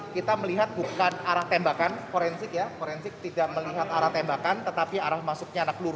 kita melihat bukan arah tembakan forensik ya forensik tidak melihat arah tembakan tetapi arah masuknya anak peluru